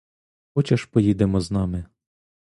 Хочеш, поїдемо з нами.